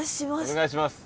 お願いします。